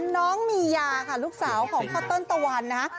น้องมียาค่ะลูกสาวของพ่อเติ้ลตะวันนะฮะ